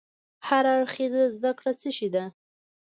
هر اړخيزه زده کړه څه شی ده؟